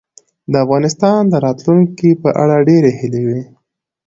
د افغانستان د راتلونکې په اړه ډېرې هیلې وې.